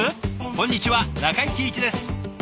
こんにちは中井貴一です。